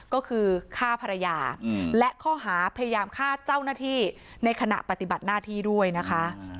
ก็คือฆ่าภรรยาและข้อหาพยายามฆ่าเจ้าหน้าที่ในขณะปฏิบัติหน้าที่ด้วยนะคะ